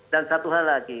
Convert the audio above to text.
dan satu hal lagi